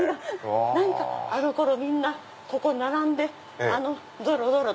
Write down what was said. あの頃みんなここ並んでぞろぞろと。